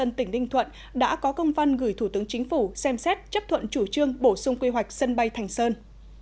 văn phòng chính phủ đã có công văn gửi thủ tướng chính phủ xem xét chấp thuận chủ trương bổ sung quy hoạch sân bay thành sơn